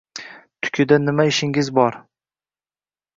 Tikuda nima ishingiz bor